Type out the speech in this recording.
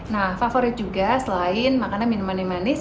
nah favorit juga selain makanan minuman yang manis